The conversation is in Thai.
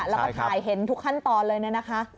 แล้วก็ถ่ายเห็นทุกขั้นตอนเลยนะคะ